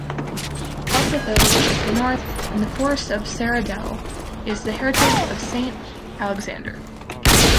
Above the village, to the north, in the forest of Serradell, is the hermitage of Saint Alexander.